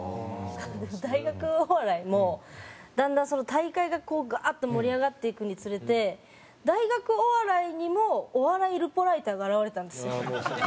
大学お笑いもだんだん大会がこうガーッと盛り上がっていくにつれて大学お笑いにもお笑いルポライターが現れたんですよ。